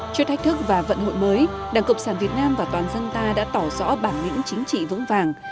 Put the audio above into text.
trước thách thức và vận hội mới đảng cộng sản việt nam và toàn dân ta đã tỏ rõ bản lĩnh chính trị vững vàng